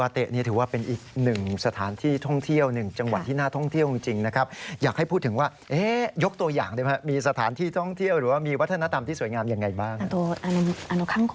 ดูถึงว่ายกตัวอย่างมีสถานที่ท่องเที่ยวหรือว่ามีวัฒนธรรมที่สวยงามยังไงบ้าง